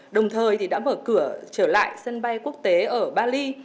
đồng thời đã mở cửa trở lại sân bay quốc tế ở bali